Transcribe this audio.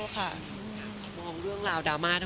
ค่ะ